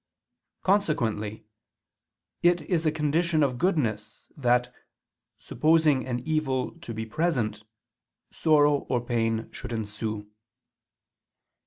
Consequently it is a condition of goodness, that, supposing an evil to be present, sorrow or pain should ensue.